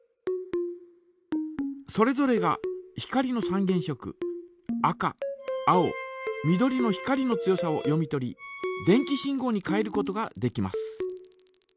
それぞれが光の三原色赤青緑の光の強さを読み取り電気信号に変えることができます。